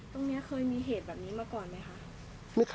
ตรงนี้เคยมีเหตุแบบนี้มาก่อนไหมคะ